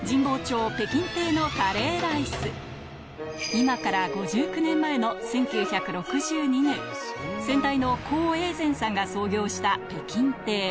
今から５９年前の１９６２年先代の江穎禅さんが創業した北京亭